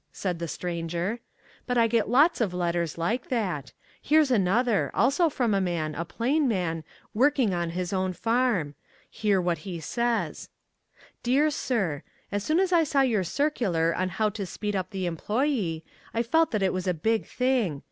said the Stranger. "But I get lots of letters like that. Here's another, also from a man, a plain man, working on his own farm. Hear what he says: Dear Sir: As soon as I saw your circular on HOW TO SPEED UP THE EMPLOYEE I felt that it was a big thing.